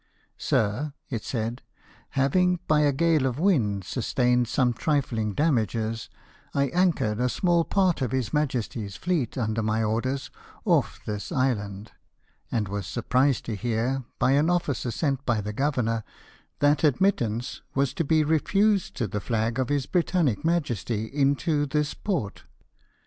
" Sir," it said, " having by a gale of wind sustained some trifling damages, T anchored a small part of His Majesty's fleet under my orders off this island, and was surprised to hear, by an officer sent by the governor, that admittance was to be refused to the flag of his Britannic Majesty into this port.